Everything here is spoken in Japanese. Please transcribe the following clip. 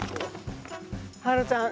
はろちゃん